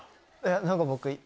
何か僕。